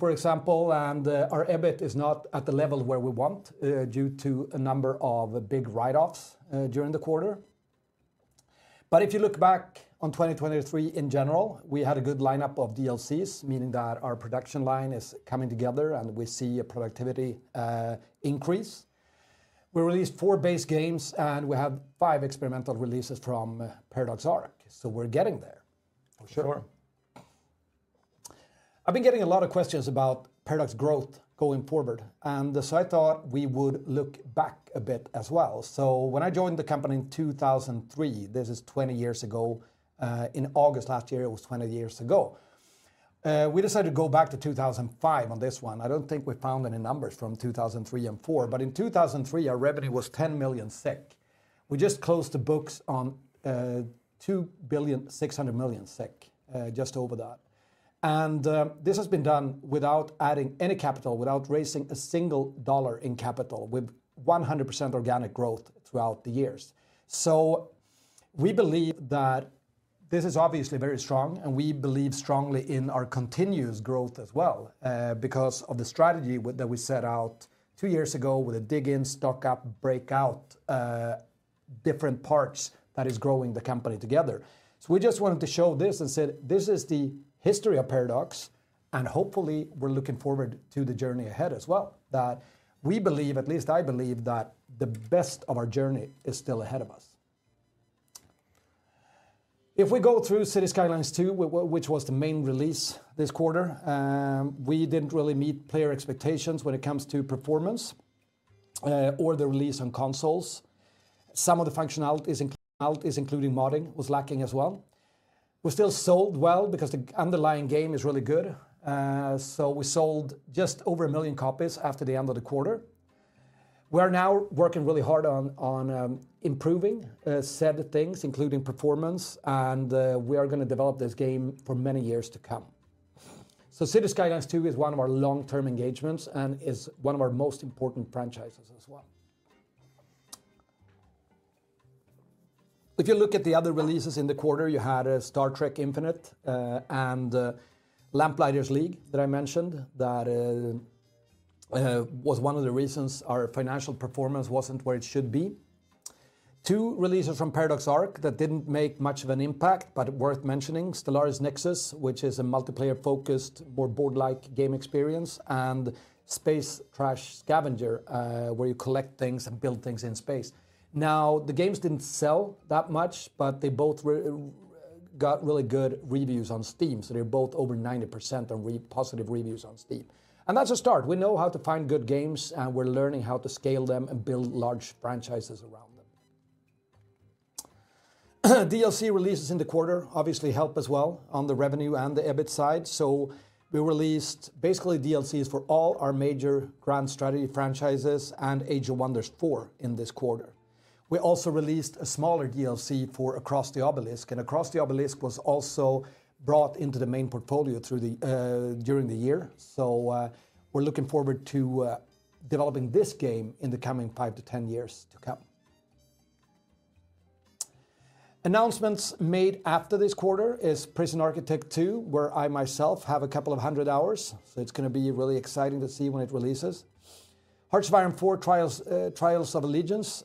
for example, and, our EBIT is not at the level where we want, due to a number of big write-offs, during the quarter. But if you look back on 2023 in general, we had a good lineup of DLCs, meaning that our production line is coming together, and we see a productivity increase. We released four base games, and we have five experimental releases from Paradox Arc, so we're getting there. For sure. I've been getting a lot of questions about Paradox growth going forward, and so I thought we would look back a bit as well. So when I joined the company in 2003, this is 20 years ago, in August last year, it was 20 years ago. We decided to go back to 2005 on this one. I don't think we found any numbers from 2003 and 2004, but in 2003, our revenue was 10 million SEK. We just closed the books on 2.6 billion, just over that, and this has been done without adding any capital, without raising $1 in capital, with 100% organic growth throughout the years. So we believe that this is obviously very strong, and we believe strongly in our continuous growth as well, because of the strategy that we set out two years ago with a Dig in, Stock up, Break out, different parts that is growing the company together. So we just wanted to show this and said, "This is the history of Paradox," and hopefully we're looking forward to the journey ahead as well, that we believe, at least I believe, that the best of our journey is still ahead of us. If we go through Cities: Skylines II, which was the main release this quarter, we didn't really meet player expectations when it comes to performance, or the release on consoles. Some of the functionalities and qualities, including modding, was lacking as well. We still sold well because the underlying game is really good. So we sold just over 1 million copies after the end of the quarter. We are now working really hard on improving said things, including performance, and we are gonna develop this game for many years to come. So Cities: Skylines II is one of our long-term engagements and is one of our most important franchises as well. If you look at the other releases in the quarter, you had Star Trek: Infinite and Lamplighters League that I mentioned, that was one of the reasons our financial performance wasn't where it should be. Two releases from Paradox Arc that didn't make much of an impact, but worth mentioning, Stellaris Nexus, which is a multiplayer-focused, more board-like game experience, and Space Trash Scavenger, where you collect things and build things in space. Now, the games didn't sell that much, but they both got really good reviews on Steam, so they're both over 90% on recent positive reviews on Steam. And that's a start. We know how to find good games, and we're learning how to scale them and build large franchises around them. DLC releases in the quarter obviously help as well on the revenue and the EBIT side, so we released basically DLCs for all our major grand strategy franchises and Age of Wonders IV in this quarter. We also released a smaller DLC for Across the Obelisk, and Across the Obelisk was also brought into the main portfolio through the during the year. So, we're looking forward to developing this game in the coming 5-10 years to come. Announcements made after this quarter is Prison Architect 2, where I myself have a couple of hundred hours, so it's gonna be really exciting to see when it releases. Hearts of Iron IV: Trial of Allegiance,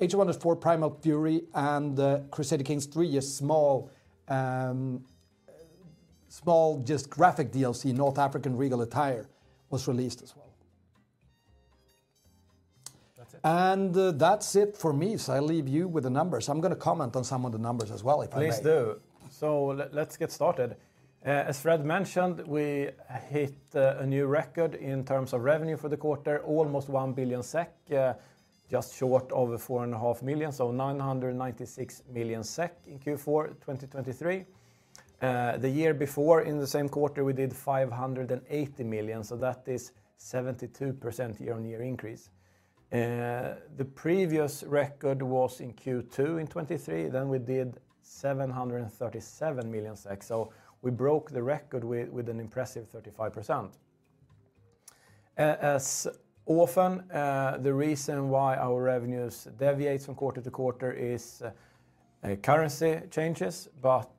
Age of Wonders 4: Primal Fury, and Crusader Kings III, a small, just graphic DLC, North African Attire, was released as well. That's it. That's it for me, so I leave you with the numbers. I'm gonna comment on some of the numbers as well, if I may. Please do. So let's get started. As Fred mentioned, we hit a new record in terms of revenue for the quarter, almost 1 billion SEK, just short of four and a half million, so 996 million SEK in Q4 2023. The year before, in the same quarter, we did 580 million, so that is 72% year-on-year increase. The previous record was in Q2 in 2023, then we did 737 million, so we broke the record with an impressive 35%. As often, the reason why our revenues deviates from quarter to quarter is currency changes, but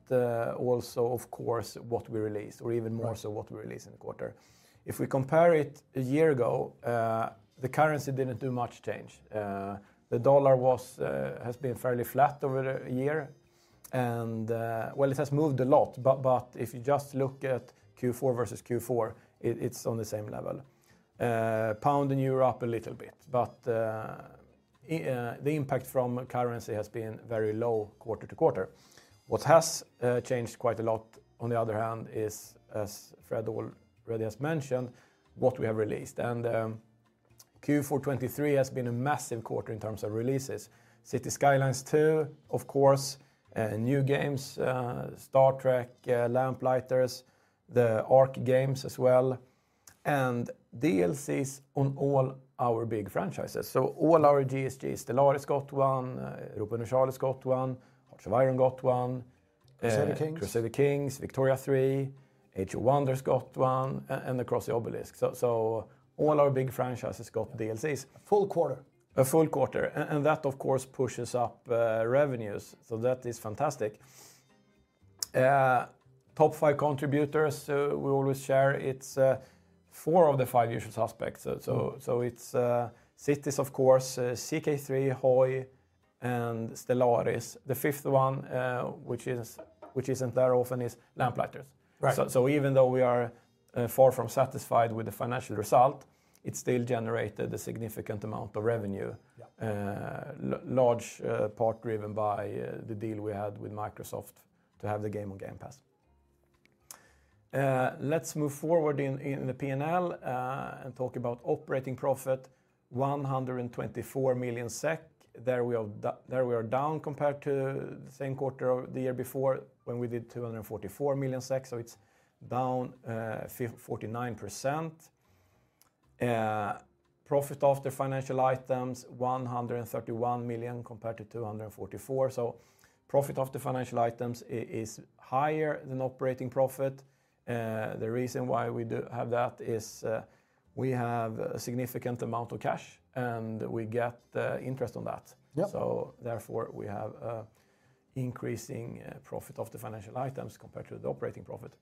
also, of course, what we release or even more so- Right... what we release in the quarter. If we compare it a year ago, the currency didn't do much change. The dollar has been fairly flat over the year, and, well, it has moved a lot, but if you just look at Q4 versus Q4, it's on the same level. Pound and euro up a little bit, but the impact from currency has been very low quarter to quarter. What has changed quite a lot, on the other hand, is, as Fred already has mentioned, what we have released, and Q4 2023 has been a massive quarter in terms of releases. Cities: Skylines II, of course, new games, Star Trek, Lamplighters, the Arc games as well, and DLCs on all our big franchises. So all our GSGs, Stellaris got one, Europa Universalis got one, Hearts of Iron got one, Crusader Kings... Crusader Kings, Victoria 3, Age of Wonders got one, and Across the Obelisk. So, so all our big franchises got DLCs. A full quarter. A full quarter, and that, of course, pushes up revenues, so that is fantastic. Yeah, top five contributors, so we always share it's four of the five usual suspects. So it's Cities, of course, CK3, HOI, and Stellaris. The fifth one, which isn't there often, is Lamplighters. Right. So even though we are far from satisfied with the financial result, it still generated a significant amount of revenue. Yeah... large part driven by the deal we had with Microsoft to have the game on Game Pass. Let's move forward in the P&L and talk about operating profit, 124 million SEK. There we are down compared to the same quarter of the year before, when we did 244 million SEK, so it's down 49%. Profit after financial items, 131 million SEK compared to 244 million SEK. So profit after financial items is higher than operating profit. The reason why we do have that is we have a significant amount of cash, and we get the interest on that. Yep. So therefore, we have a increasing profit of the financial items compared to the operating profit.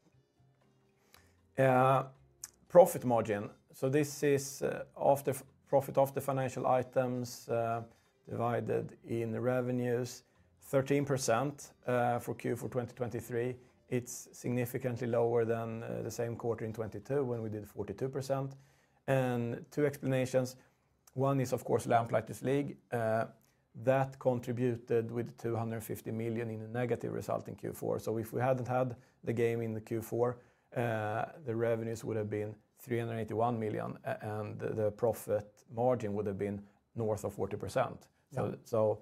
Profit margin, so this is after profit of the financial items divided in the revenues, 13% for Q4 of 2023. It's significantly lower than the same quarter in 2022, when we did 42%. And two explanations: one is, of course, The Lamplighters League. That contributed with 250 million in a negative result in Q4. So if we hadn't had the game in the Q4, the revenues would have been 381 million, and the profit margin would have been north of 40%. Yeah. So,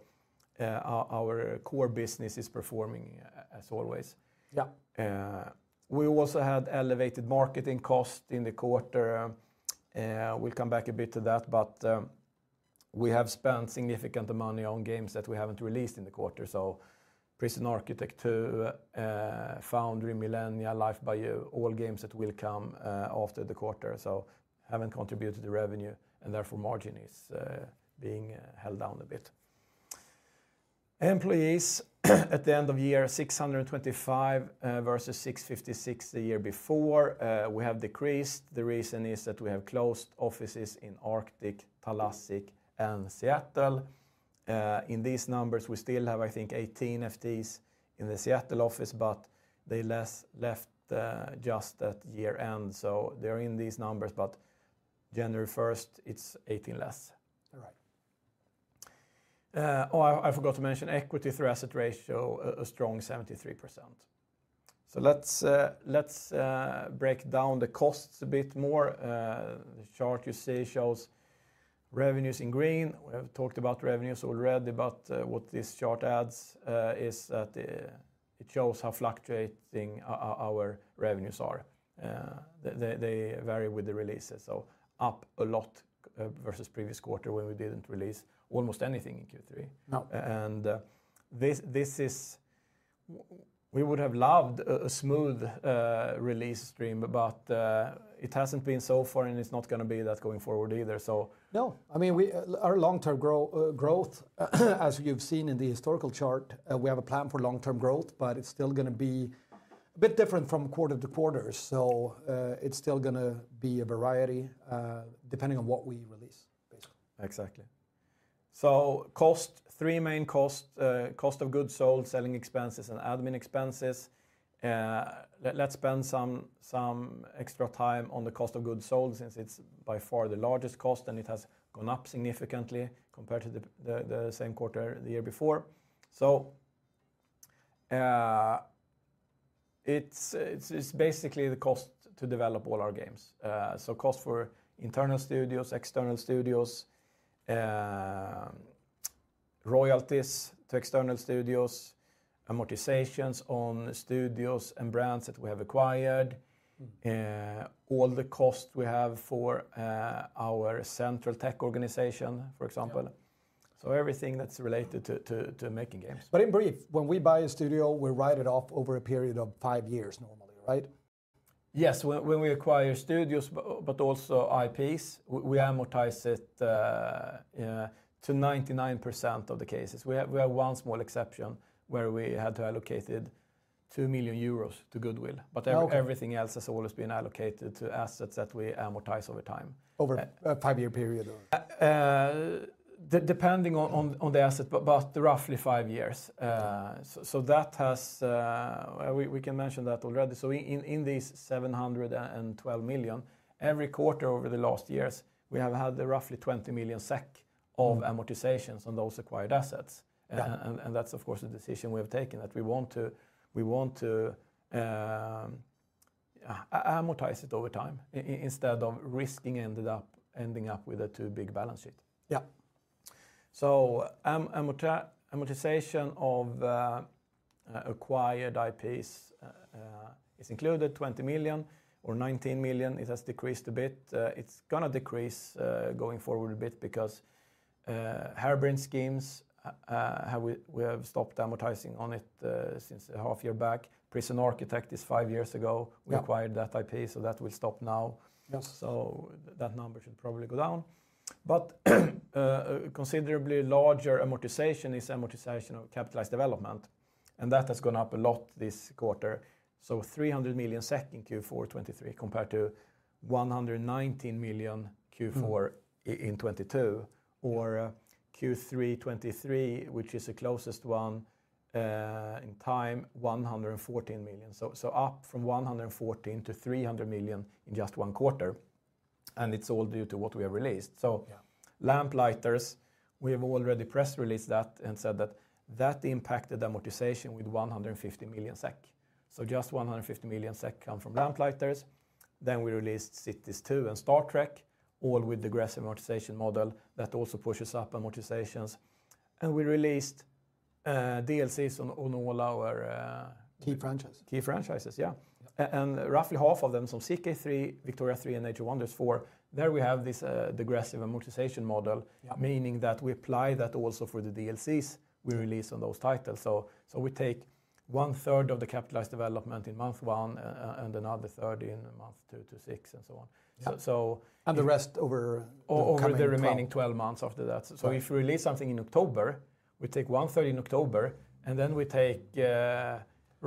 our core business is performing as always. Yeah. We also had elevated marketing costs in the quarter, and we'll come back a bit to that, but we have spent significant money on games that we haven't released in the quarter. So Prison Architect 2, Foundry, Millennia, Life by You, all games that will come after the quarter, so haven't contributed to the revenue, and therefore margin is being held down a bit. Employees, at the end of year, 625 versus 656 the year before, we have decreased. The reason is that we have closed offices in Arctic, Thalassic, and Seattle. In these numbers, we still have, I think, 18 FTEs in the Seattle office, but they've left just at year-end, so they're in these numbers, but January first, it's 18 less. Right. Oh, I forgot to mention equity to asset ratio, a strong 73%. So let's break down the costs a bit more. The chart you see shows revenues in green. We have talked about revenues already, but what this chart adds is that it shows how fluctuating our revenues are. They vary with the releases, so up a lot versus previous quarter when we didn't release almost anything in Q3. No. And this is... We would have loved a smooth release stream, but it hasn't been so far, and it's not gonna be that going forward either. So- No, I mean, we, our long-term growth, as you've seen in the historical chart, we have a plan for long-term growth, but it's still gonna be a bit different from quarter to quarter. So, it's still gonna be a variety, depending on what we release, basically. Exactly. So cost, three main costs: cost of goods sold, selling expenses, and admin expenses. Let's spend some extra time on the cost of goods sold, since it's by far the largest cost, and it has gone up significantly compared to the same quarter the year before. So, it's basically the cost to develop all our games. So cost for internal studios, external studios, royalties to external studios, amortizations on studios and brands that we have acquired- Mm-hmm... all the costs we have for, our central tech organization, for example. Yeah. So everything that's related to making games. In brief, when we buy a studio, we write it off over a period of five years, normally, right? Yes. When we acquire studios, but also IPs, we amortize it to 99% of the cases. We have one small exception, where we had to allocate it 2 million euros to goodwill. Okay. But everything else has always been allocated to assets that we amortize over time. Over a five-year period or? Depending on the asset, but roughly 5 years. So that has... we can mention that already. So in this 712 million, every quarter over the last years, we have had roughly 20 million SEK. Mm. of amortizations on those acquired assets. Yeah. And that's, of course, the decision we have taken, that we want to, we want to, amortize it over time instead of risking ending up with a too big balance sheet. Yeah. So amortization of acquired IPs is included, 20 million or 19 million. It has decreased a bit. It's gonna decrease going forward a bit because Harebrained Schemes, how we have stopped amortizing on it since a half year back. Prison Architect is five years ago- Yeah. We acquired that IP, so that will stop now. Yes. That number should probably go down. Considerably larger amortization is amortization of capitalized development, and that has gone up a lot this quarter. 300 million SEK in Q4 2023, compared to 119 million Q4- Mm... in 2022, or Q3 2023, which is the closest one in time, 114 million. So up from 114 million to 300 million in just one quarter, and it's all due to what we have released. Yeah. So Lamplighters, we have already press released that and said that that impacted amortization with 150 million SEK. So just 150 million SEK come from Lamplighters. Then we released Cities II and Star Trek, all with the aggressive amortization model that also pushes up amortizations, and we released DLCs on, on all our- Key franchises... key franchises, yeah. Yeah. Roughly half of them, so CK3, Victoria 3, and Age of Wonders 4, there we have this degressive amortization model- Yeah... meaning that we apply that also for the DLCs we release on those titles. So we take one third of the capitalized development in month one, and another third in month two to six, and so on. Yeah. So, so- And the rest over- Over the- Twelve... remaining 12 months after that. Yeah. So if we release something in October, we take one third in October, and then we take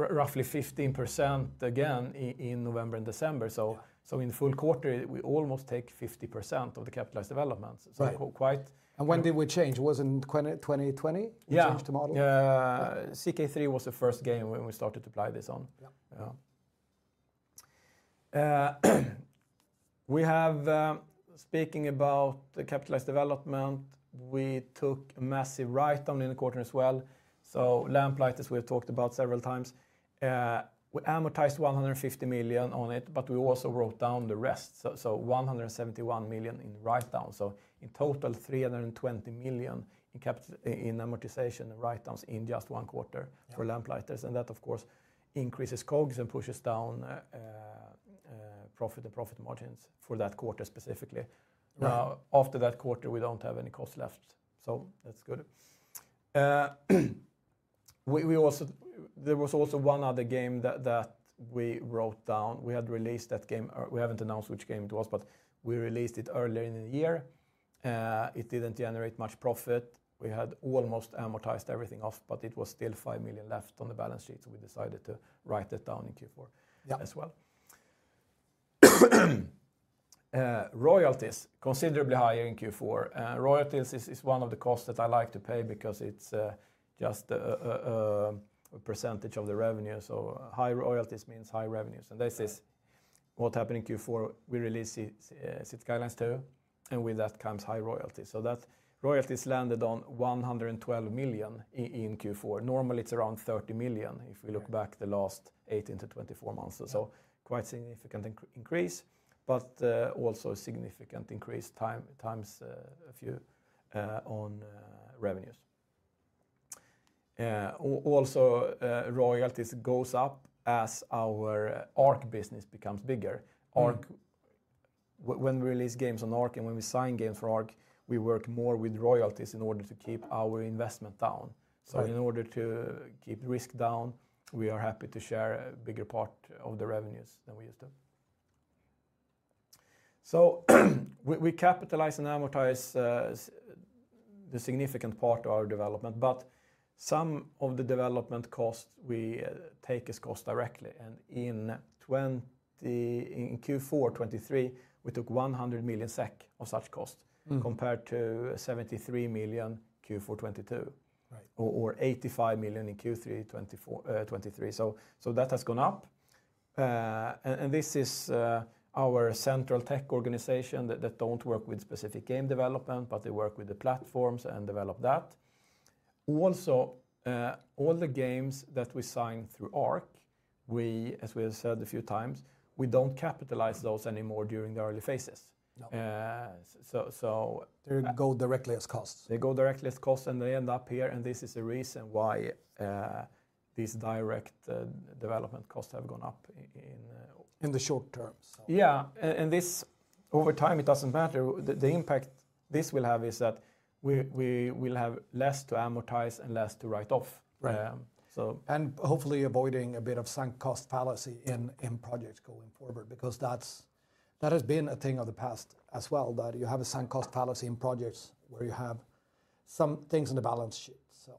roughly 15% again in November and December. Yeah. In the full quarter, we almost take 50% of the capitalized developments. Right. So quite- When did we change? Was it in 2020? Yeah. We changed the model. Yeah. Yeah. CK3 was the first game when we started to apply this on. Yeah. Yeah. Speaking about the capitalized development, we took a massive write-down in the quarter as well. So Lamplighters, we have talked about several times. We amortized 150 million on it, but we also wrote down the rest, so one hundred and seventy-one million in write-down. So in total, 320 million in amortization and write-downs in just one quarter- Yeah... for Lamplighters, and that, of course, increases COGS and pushes down profit and profit margins for that quarter specifically. Right. Now, after that quarter, we don't have any costs left, so that's good. We also, there was also one other game that we wrote down. We had released that game, or we haven't announced which game it was, but we released it earlier in the year. It didn't generate much profit. We had almost amortized everything off, but it was still 5 million left on the balance sheet, so we decided to write that down in Q4- Yeah... as well. Royalties, considerably higher in Q4. Royalties is one of the costs that I like to pay because it's just a percentage of the revenue. So high royalties means high revenues, and this is- Yeah... what happened in Q4. We released Cities: Skylines II, and with that comes high royalties. So that royalties landed on 112 million in Q4. Normally, it's around 30 million- Yeah... if we look back the last 18-24 months or so. Quite significant increase, but also a significant increase times a few on revenues. Also, royalties goes up as our Arc business becomes bigger. Mm. Arc, when we release games on Arc and when we sign games for Arc, we work more with royalties in order to keep our investment down. Right. So in order to keep risk down, we are happy to share a bigger part of the revenues than we used to. So we capitalize and amortize the significant part of our development, but some of the development costs we take as cost directly, and in Q4 2023, we took 100 million SEK of such cost- Mm... compared to 73 million Q4 2022. Right. Or 85 million in Q3 2024, 2023. So that has gone up. And this is our central tech organization that don't work with specific game development, but they work with the platforms and develop that. Also, all the games that we sign through Arc, we, as we have said a few times, we don't capitalize those anymore during the early phases. No. So, They go directly as costs. They go directly as costs, and they end up here, and this is the reason why these direct development costs have gone up in In the short term, Yeah, and this, over time, it doesn't matter. The impact this will have is that we will have less to amortize and less to write off. Right. Um, so- Hopefully avoiding a bit of sunk cost fallacy in projects going forward, because that has been a thing of the past as well, that you have a sunk cost fallacy in projects where you have some things in the balance sheet, so.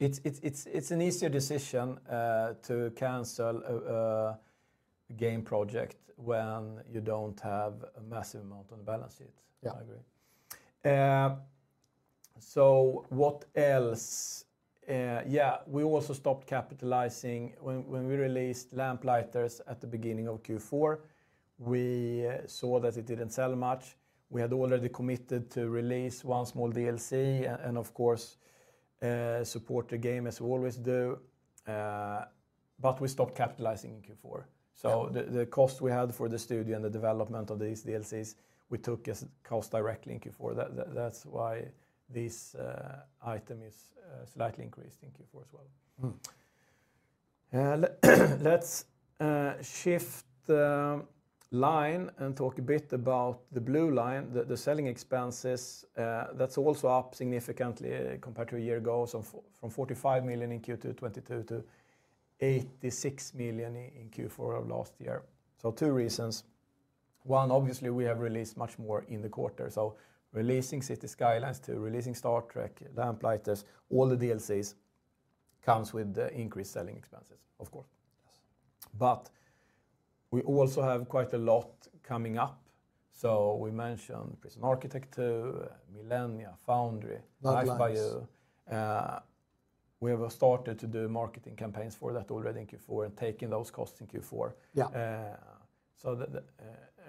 It's an easier decision to cancel a game project when you don't have a massive amount on the balance sheet. Yeah. I agree. So what else? Yeah, we also stopped capitalizing. When we released Lamplighters at the beginning of Q4, we saw that it didn't sell much. We had already committed to release one small DLC, and of course, support the game as we always do, but we stopped capitalizing in Q4. Yeah. So the cost we had for the studio and the development of these DLCs, we took as cost directly in Q4. That's why this item is slightly increased in Q4 as well. Mm.... Let's shift the line and talk a bit about the blue line, the selling expenses. That's also up significantly compared to a year ago, so from 45 million in Q2 2022 to 86 million in Q4 of last year. So two reasons: one, obviously, we have released much more in the quarter. So releasing Cities: Skylines II, releasing Star Trek, Lamplighters, all the DLCs comes with the increased selling expenses, of course. Yes. But we also have quite a lot coming up. So we mentioned Prison Architect 2, Millennia, Foundry- Nightlands. We have started to do marketing campaigns for that already in Q4 and taking those costs in Q4. Yeah.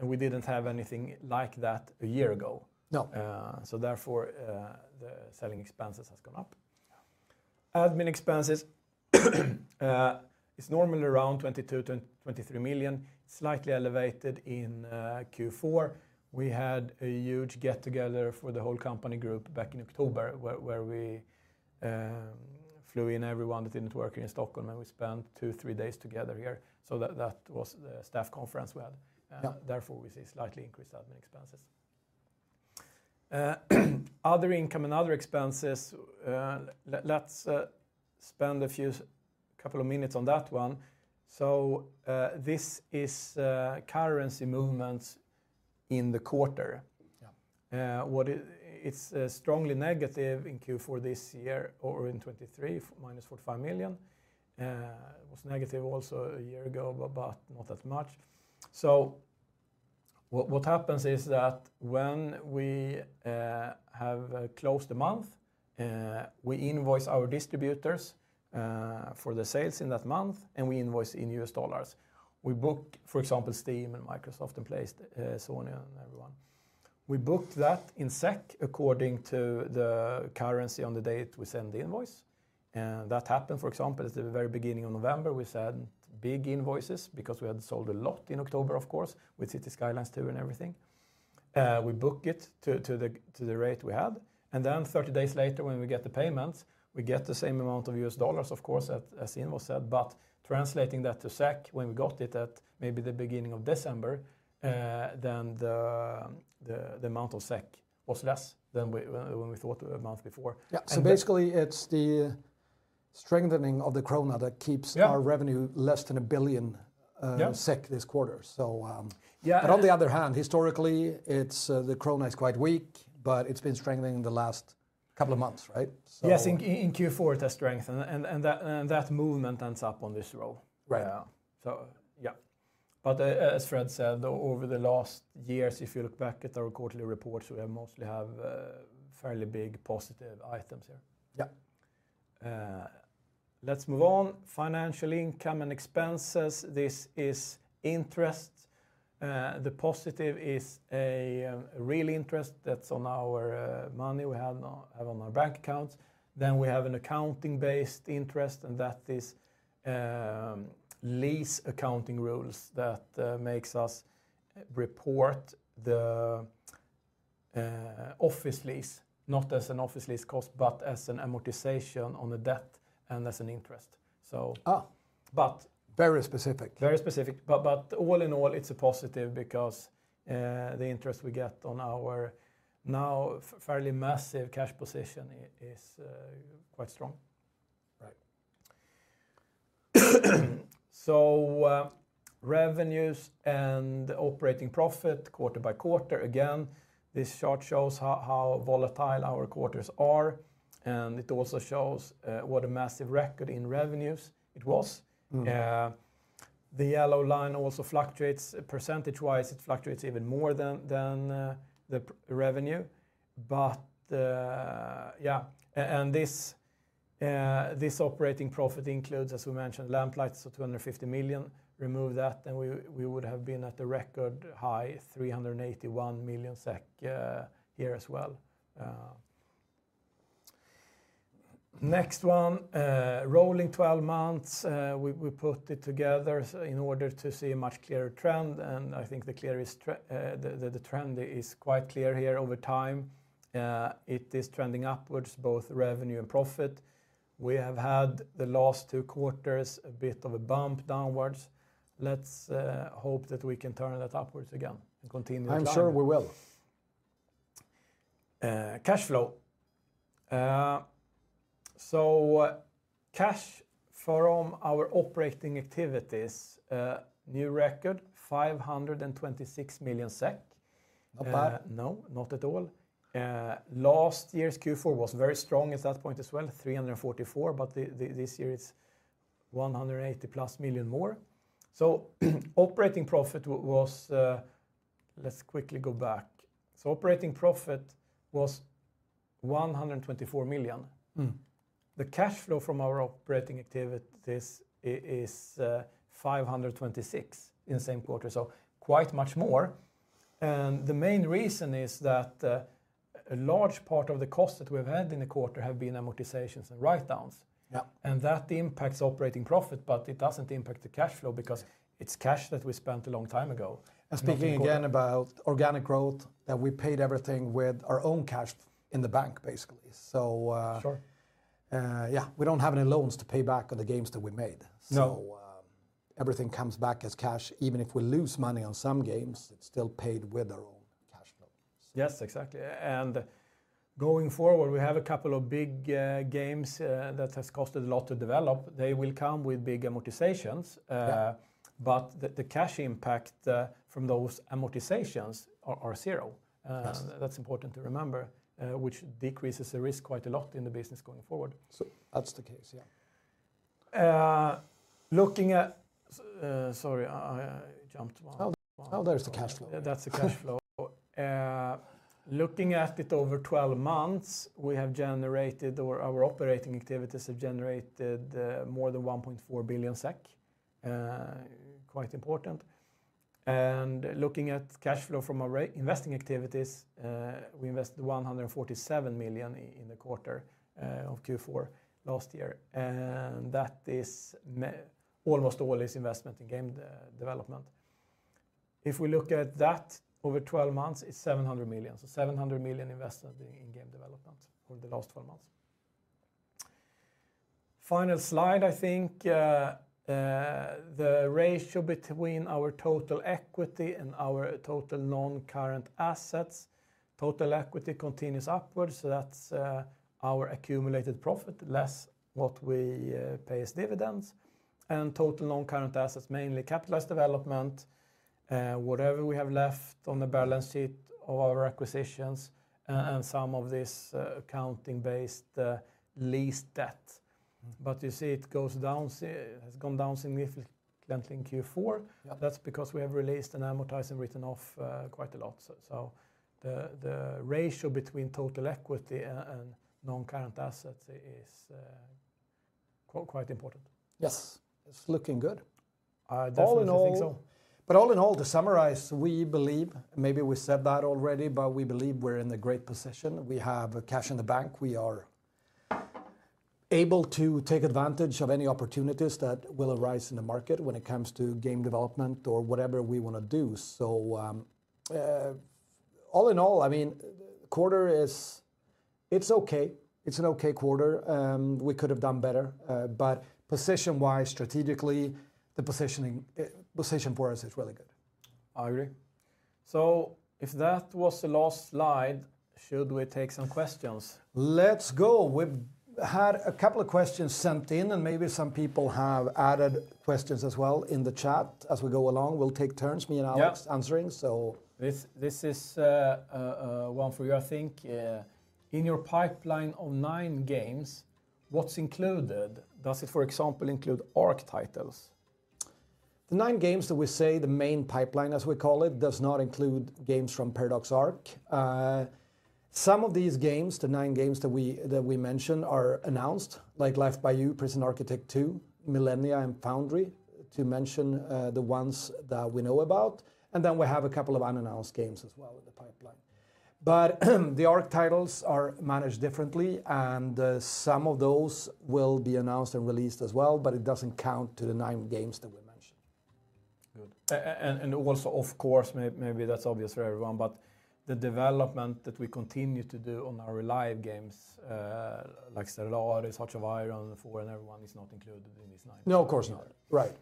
We didn't have anything like that a year ago. No. Therefore, the selling expenses has gone up. Yeah. Admin expenses is normally around 22-23 million, slightly elevated in Q4. We had a huge get-together for the whole company group back in October, where we flew in everyone that didn't work in Stockholm, and we spent 2-3 days together here. So that was the staff conference we had. Yeah. Therefore we see slightly increased admin expenses. Other income and other expenses, let's spend a few couple of minutes on that one. So, this is currency movements in the quarter. Yeah. It's strongly negative in Q4 this year or in 2023, -45 million. It was negative also a year ago, but, but not as much. So what, what happens is that when we have closed a month, we invoice our distributors for the sales in that month, and we invoice in U.S. dollars. We book, for example, Steam and Microsoft and PlayStation, Sony and everyone. We booked that in SEK according to the currency on the date we send the invoice, and that happened, for example, at the very beginning of November. We sent big invoices because we had sold a lot in October, of course, with Cities: Skylines II and everything. We book it to the rate we had, and then 30 days later, when we get the payments, we get the same amount of U.S. dollars of course, as the invoice said, but translating that to SEK when we got it at maybe the beginning of December, then the amount of SEK was less than we when we thought a month before. Yeah. And- So basically, it's the strengthening of the Krona that keeps- Yeah... our revenue less than 1 billion SEK, Yeah... SEK this quarter. So, Yeah... but on the other hand, historically, it's the Krona is quite weak, but it's been strengthening in the last couple of months, right? So- Yes, in Q4, it has strengthened, and that movement ends up on this row. Right. Yeah. So yeah. But as Fred said, over the last years, if you look back at our quarterly reports, we mostly have fairly big positive items here. Yeah. Let's move on. Financial income and expenses. This is interest. The positive is a real interest that's on our money we have now on our bank accounts. Then we have an accounting-based interest, and that is lease accounting rules that makes us report the office lease, not as an office lease cost, but as an amortization on the debt and as an interest, so- Ah. But- Very specific. Very specific, but all in all, it's a positive because the interest we get on our now fairly massive cash position is quite strong. Right. So, revenues and operating profit quarter by quarter. Again, this chart shows how volatile our quarters are, and it also shows what a massive record in revenues it was. Mm. The yellow line also fluctuates. Percentage-wise, it fluctuates even more than the revenue, but yeah, and this operating profit includes, as we mentioned, Lamplighters, so 250 million. Remove that, and we would have been at a record high, 381 million SEK here as well. Next one, rolling 12 months, we put it together so in order to see a much clearer trend, and I think the trend is quite clear here over time. It is trending upwards, both revenue and profit. We have had the last two quarters, a bit of a bump downwards. Let's hope that we can turn that upwards again and continue the climb. I'm sure we will. Cash flow. So cash from our operating activities, new record, 526 million SEK. Not bad. No, not at all. Last year's Q4 was very strong at that point as well, 344, but this year it's 180+ million more. So operating profit was. Let's quickly go back. So operating profit was 124 million. Mm. The cash flow from our operating activities is 526 in the same quarter, so quite much more, and the main reason is that a large part of the cost that we've had in the quarter have been amortizations and write-downs. Yeah. That impacts operating profit, but it doesn't impact the cash flow because it's cash that we spent a long time ago. Speaking again about organic growth, that we paid everything with our own cash in the bank, basically. So, Sure ... yeah, we don't have any loans to pay back on the games that we made. No.... everything comes back as cash. Even if we lose money on some games, it's still paid with our own cash flows. Yes, exactly. And going forward, we have a couple of big games that has costed a lot to develop. They will come with big amortizations. Yeah... but the cash impact from those amortizations are zero. Yes. That's important to remember, which decreases the risk quite a lot in the business going forward. So that's the case, yeah. Sorry, I jumped one. Oh, oh, there is the cash flow. That's the cash flow. Looking at it over 12 months, we have generated or our operating activities have generated more than 1.4 billion SEK, quite important. Looking at cash flow from our investing activities, we invested 147 million in the quarter of Q4 last year, and that is almost all is investment in game development. If we look at that over 12 months, it's 700 million, so 700 million invested in game development over the last 12 months. Final slide, I think, the ratio between our total equity and our total non-current assets, total equity continues upwards. So that's our accumulated profit, less what we pay as dividends and total non-current assets, mainly Capitalized Development, whatever we have left on the balance sheet of our acquisitions, and, and some of this accounting-based lease debt. Mm. But you see, it has gone down significantly in Q4. Yep. That's because we have amortized and written off quite a lot. So the ratio between total equity and non-current assets is quite important. Yes. It's looking good. I definitely think so. All in all... But all in all, to summarize, we believe, maybe we said that already, but we believe we're in a great position. We have cash in the bank. We are able to take advantage of any opportunities that will arise in the market when it comes to game development or whatever we wanna do. So, all in all, I mean, quarter is, it's okay. It's an okay quarter, and we could have done better, but position-wise, strategically, the positioning, position for us is really good. I agree. So if that was the last slide, should we take some questions? Let's go. We've had a couple of questions sent in, and maybe some people have added questions as well in the chat as we go along. We'll take turns, me and Alex- Yep... answering, so. This is one for you, I think. "In your pipeline of nine games, what's included? Does it, for example, include Arc Titles? The nine games that we say, the main pipeline, as we call it, does not include games from Paradox Arc. Some of these games, the nine games that we, that we mentioned, are announced, like Life by You, Prison Architect 2, Millennia and Foundry, to mention, the ones that we know about, and then we have a couple of unannounced games as well in the pipeline. But the Arc Titles are managed differently, and, some of those will be announced and released as well, but it doesn't count to the nine games that we mentioned. Good. And also, of course, maybe that's obvious for everyone, but the development that we continue to do on our live games, like Stellaris, Hearts of Iron IV, and everyone, is not included in these nine. No, of course not. Right.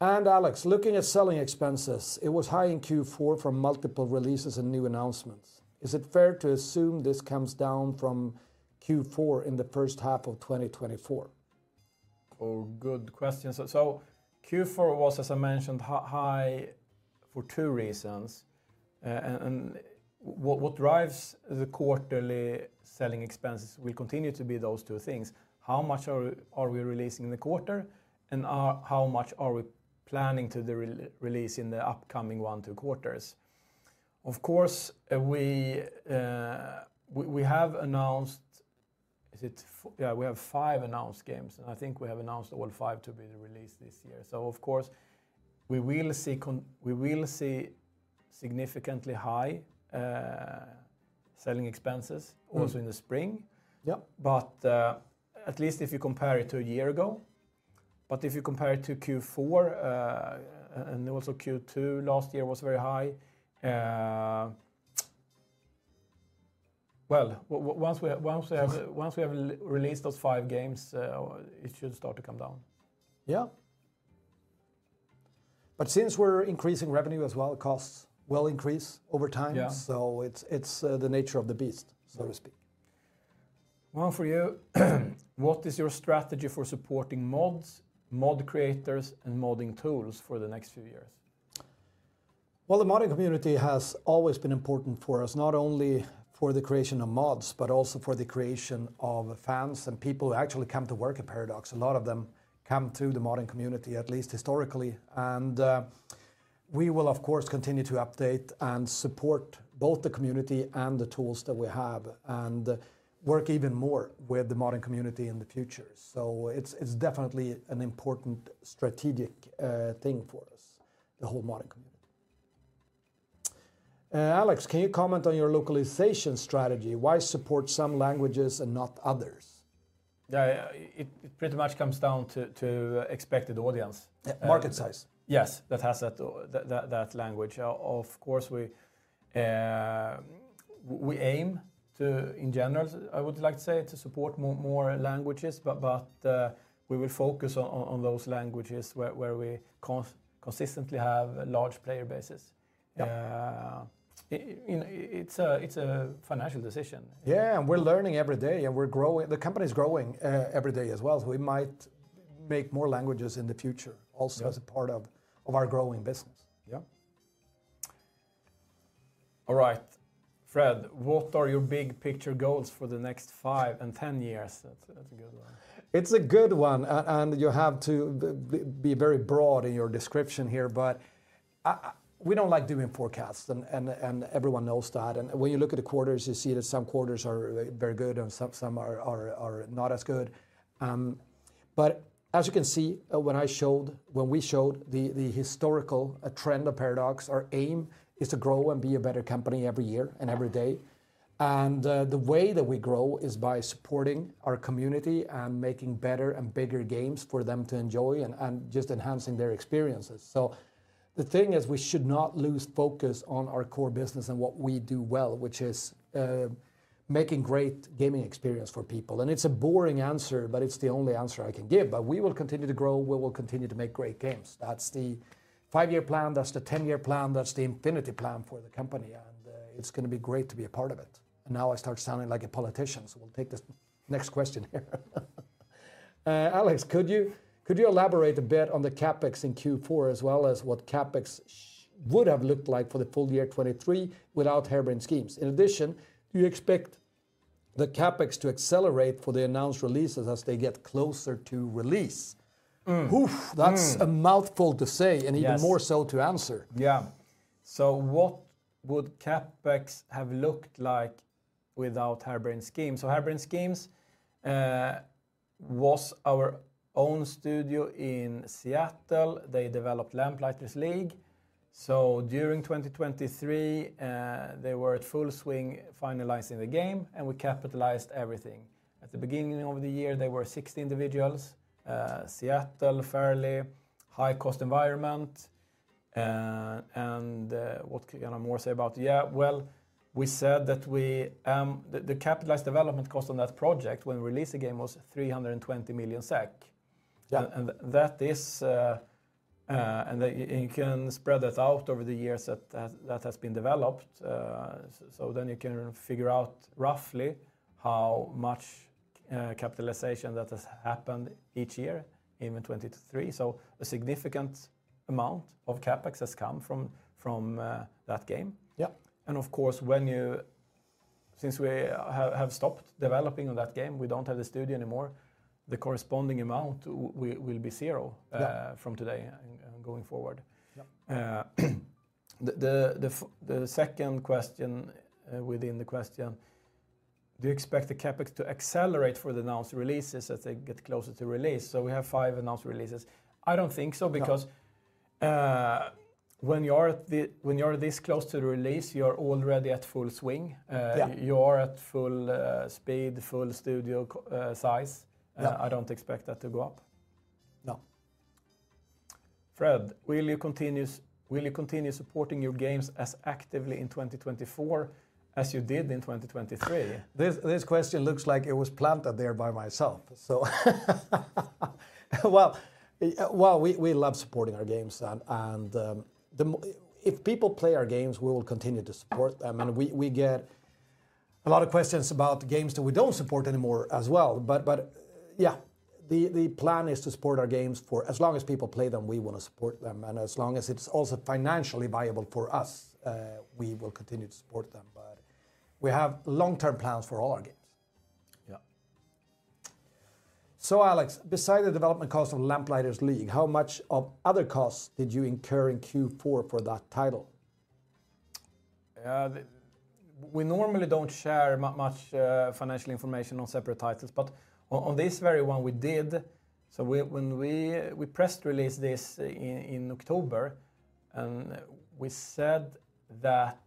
And Alex, looking at selling expenses, it was high in Q4 from multiple releases and new announcements. Is it fair to assume this comes down from Q4 in the first half of 2024? Oh, good question. So Q4 was, as I mentioned, high for two reasons. And what drives the quarterly selling expenses will continue to be those two things. How much are we releasing in the quarter, and how much are we planning to release in the upcoming one, two quarters? Of course, we have announced five announced games, and I think we have announced all five to be released this year. So of course, we will see significantly high selling expenses- Mm... also in the spring. Yep. But, at least if you compare it to a year ago, but if you compare it to Q4, and also Q2 last year was very high... Well, once we have- Yes... once we have re-released those five games, it should start to come down. Yeah. But since we're increasing revenue as well, costs will increase over time. Yeah. So it's the nature of the beast, so to speak. One for you: "What is your strategy for supporting mods, mod creators, and modding tools for the next few years? Well, the modding community has always been important for us, not only for the creation of mods, but also for the creation of fans and people who actually come to work at Paradox. A lot of them come through the modding community, at least historically, and we will, of course, continue to update and support both the community and the tools that we have and work even more with the modding community in the future. So it's definitely an important strategic thing for us, the whole modding community. Alex, can you comment on your localization strategy? Why support some languages and not others? Yeah, it pretty much comes down to expected audience. Yeah, market size. Yes, that has that language. Of course, we aim to, in general, I would like to say, to support more languages, but we will focus on those languages where we consistently have a large player bases. Yeah. It's a, it's a financial decision. Yeah, and we're learning every day, and we're growing, the company's growing every day as well, so we might make more languages in the future. Yeah... also as a part of our growing business. Yeah. All right, Fred, what are your big picture goals for the next 5 and 10 years? That's a good one. It's a good one, and you have to be very broad in your description here, but we don't like doing forecasts, and everyone knows that. And when you look at the quarters, you see that some quarters are very good and some are not as good. But as you can see, when we showed the historical trend of Paradox, our aim is to grow and be a better company every year and every day. Yeah. And, the way that we grow is by supporting our community and making better and bigger games for them to enjoy, and, and just enhancing their experiences. So the thing is, we should not lose focus on our core business and what we do well, which is, making great gaming experience for people. And it's a boring answer, but it's the only answer I can give. But we will continue to grow. We will continue to make great games. That's the five-year plan, that's the ten-year plan, that's the infinity plan for the company, and, it's gonna be great to be a part of it. And now I start sounding like a politician, so we'll take the next question here. Alex, could you elaborate a bit on the CapEx in Q4, as well as what CapEx should have looked like for the full year 2023 without Harebrained Schemes? In addition, you expect the CapEx to accelerate for the announced releases as they get closer to release. Mm. Oof! Mm. That's a mouthful to say- Yes... and even more so to answer. Yeah. So what would CapEx have looked like without Harebrained Schemes? So Harebrained Schemes was our own studio in Seattle. They developed The Lamplighters League. So during 2023, they were at full swing, finalizing the game, and we capitalized everything. At the beginning of the year, they were 60 individuals, Seattle, fairly high-cost environment. And what can I more say about? Yeah, well, we said that we the capitalized development cost on that project when we released the game was 320 million SEK. Yeah. And that is, and you can spread that out over the years that has been developed. So then you can figure out roughly how much capitalization that has happened each year in 2023. So a significant amount of CapEx has come from that game. Yeah. And of course, since we have stopped developing on that game, we don't have the studio anymore, the corresponding amount will be zero. Yeah... from today and going forward. Yeah. The second question, within the question, do you expect the CapEx to accelerate for the announced releases as they get closer to release? So we have five announced releases. I don't think so. No... because when you're this close to the release, you're already at full swing. Yeah... you are at full speed, full studio size. Yeah. I don't expect that to go up. No. Fred, will you continue supporting your games as actively in 2024 as you did in 2023? This, this question looks like it was planted there by myself. So well, well, we, we love supporting our games, and, and, if people play our games, we will continue to support them. Yeah. And we get a lot of questions about games that we don't support anymore as well. But yeah, the plan is to support our games for as long as people play them, we wanna support them, and as long as it's also financially viable for us, we will continue to support them. But we have long-term plans for all our games. Yeah. Alex, besides the development cost of Lamplighters League, how much of other costs did you incur in Q4 for that title? We normally don't share much financial information on separate titles, but on this very one, we did. So when we press release this in October, and we said that.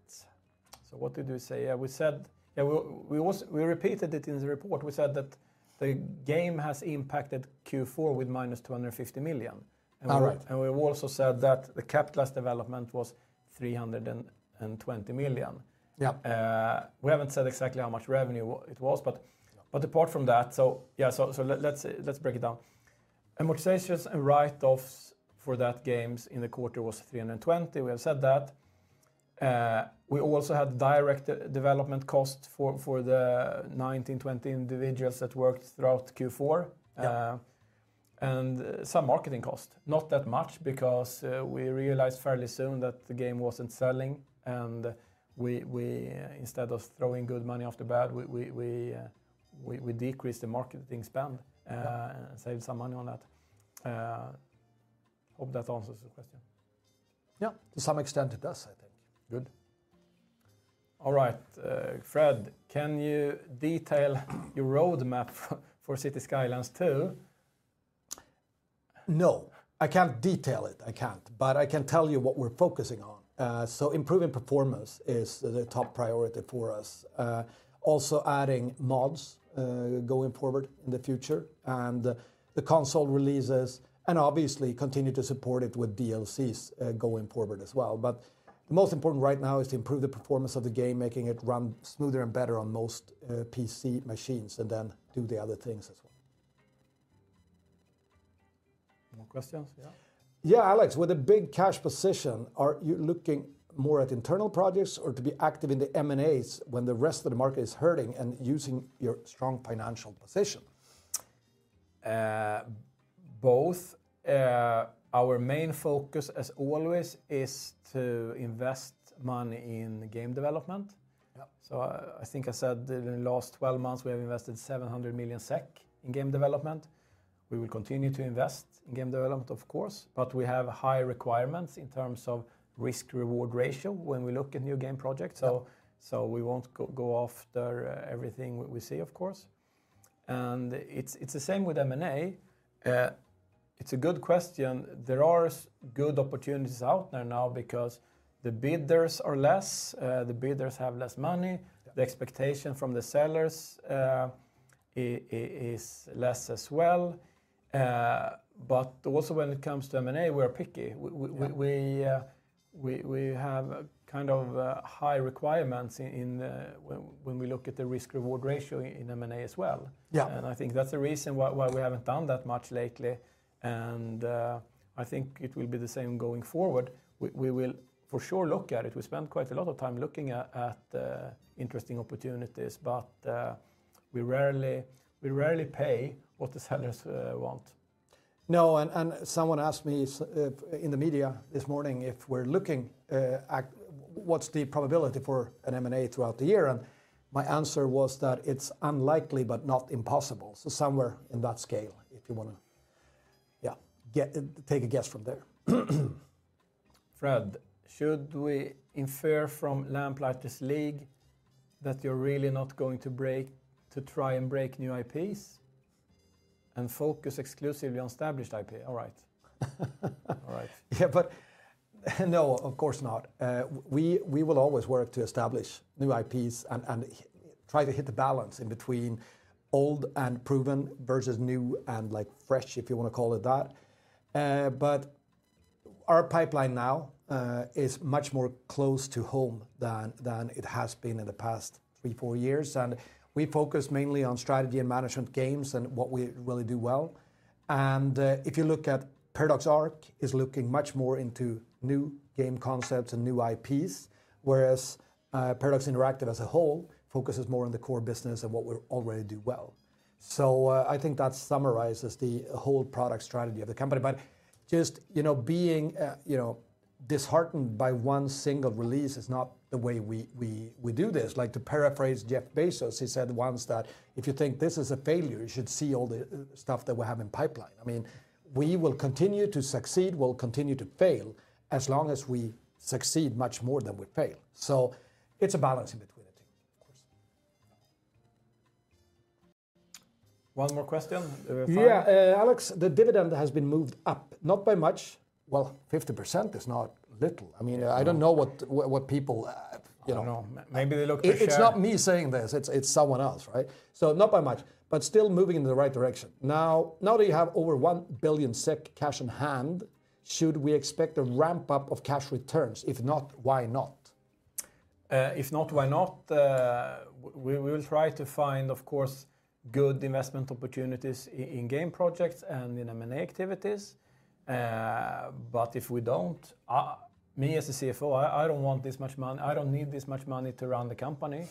So what did we say? Yeah, we said. Yeah, we also repeated it in the report. We said that the game has impacted Q4 with -250 million. All right. We also said that the Capitalized Development was 320 million. Yeah. We haven't said exactly how much revenue it was, but- Yeah... but apart from that, yeah, let's break it down. Amortization and write-offs for that games in the quarter was 320. We have said that. We also had direct development cost for the 19-20 individuals that worked throughout Q4. Yeah. And some marketing cost. Not that much because we realized fairly soon that the game wasn't selling, and we instead of throwing good money after bad, we decreased the marketing spend- Yeah... and saved some money on that. Hope that answers the question. Yeah, to some extent it does, I think. Good. All right. Fred, can you detail your roadmap for Cities: Skylines 2? No, I can't detail it. I can't, but I can tell you what we're focusing on. So improving performance is the top priority for us. Also adding mods, going forward in the future, and the console releases, and obviously continue to support it with DLCs, going forward as well. But the most important right now is to improve the performance of the game, making it run smoother and better on most PC machines, and then do the other things as well.... More questions? Yeah. Yeah, Alex, with a big cash position, are you looking more at internal projects or to be active in the M&As when the rest of the market is hurting and using your strong financial position? Both. Our main focus, as always, is to invest money in game development. Yeah. I think I said that in the last 12 months, we have invested 700 million SEK in game development. We will continue to invest in game development, of course, but we have high requirements in terms of risk-reward ratio when we look at new game projects. Yeah. So we won't go after everything we see, of course, and it's the same with M&A. It's a good question. There are good opportunities out there now because the bidders are less, the bidders have less money, the expectation from the sellers is less as well. But also when it comes to M&A, we're picky. Yeah. We have a kind of high requirements in when we look at the risk-reward ratio in M&A as well. Yeah. I think that's the reason why we haven't done that much lately, and I think it will be the same going forward. We will for sure look at it. We spend quite a lot of time looking at interesting opportunities, but we rarely pay what the sellers want. No, someone asked me in the media this morning if we're looking at what's the probability for an M&A throughout the year? And my answer was that it's unlikely, but not impossible. So somewhere in that scale, if you wanna, yeah, take a guess from there. Fred, should we infer from Lamplighters League that you're really not going to try and break new IPs and focus exclusively on established IP? All right. All right. Yeah, but no, of course not. We will always work to establish new IPs and try to hit the balance in between old and proven versus new and, like, fresh, if you wanna call it that. But our pipeline now is much more close to home than it has been in the past three, four years, and we focus mainly on strategy and management games and what we really do well. And if you look at Paradox Arc, it is looking much more into new game concepts and new IPs, whereas Paradox Interactive as a whole focuses more on the core business and what we already do well. So I think that summarizes the whole product strategy of the company. But just, you know, being, you know, disheartened by one single release is not the way we do this. Like, to paraphrase Jeff Bezos, he said once that, "If you think this is a failure, you should see all the stuff that we have in pipeline." I mean, we will continue to succeed, we'll continue to fail, as long as we succeed much more than we fail. So it's a balance in between the two, of course. One more question? Yeah. Alex, the dividend has been moved up. Not by much... Well, 50% is not little. I mean- Yeah... I don't know what, what people, you know- I don't know. Maybe they look at the share- It's not me saying this, it's someone else, right? So not by much, but still moving in the right direction. Now that you have over 1 billion SEK cash in hand, should we expect a ramp-up of cash returns? If not, why not? If not, why not? We will try to find, of course, good investment opportunities in, in game projects and in M&A activities. But if we don't, me as a CFO, I don't want this much money—I don't need this much money to run the company,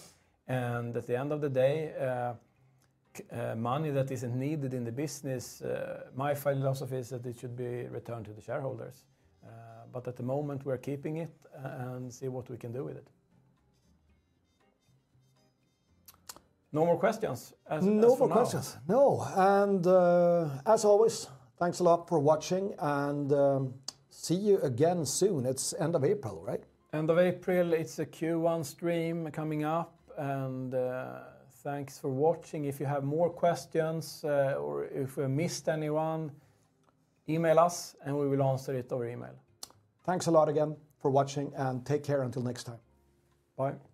and at the end of the day, money that isn't needed in the business, my philosophy is that it should be returned to the shareholders. But at the moment, we're keeping it and see what we can do with it. No more questions as of now. No more questions, no. And, as always, thanks a lot for watching and, see you again soon. It's end of April, right? End of April. It's a Q1 stream coming up, and, thanks for watching. If you have more questions, or if we missed anyone, email us, and we will answer it over email. Thanks a lot again for watching, and take care until next time. Bye. Bye.